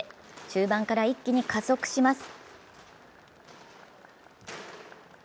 中盤から一気に加速します。